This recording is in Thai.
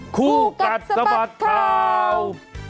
คู่กัดสะบัดข่าว